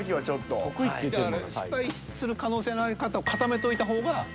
だから失敗する可能性のある方を固めといた方が。